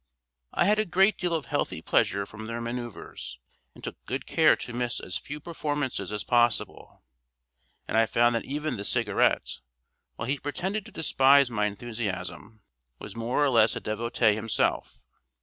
I had a great deal of healthy pleasure from their manœuvres, and took good care to miss as few performances as possible; and I found that even the Cigarette, while he pretended to despise my enthusiasm, was more or less a devotee himself.